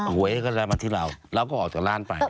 หัวเอ๊กซ์ก็ได้มาที่เราแล้วก็ออกจากร้านไป